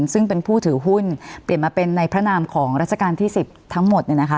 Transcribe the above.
ซึ่งเป็นผู้ถือหุ้นเปลี่ยนมาเป็นในพระนามของราชการที่๑๐ทั้งหมด